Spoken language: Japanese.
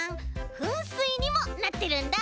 ふんすいにもなってるんだ！